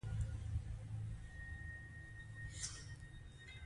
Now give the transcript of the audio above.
پابندی غرونه د افغان کلتور په داستانونو کې راځي.